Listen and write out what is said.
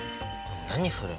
何それ？